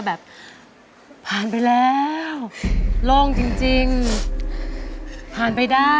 แบบร่างงาน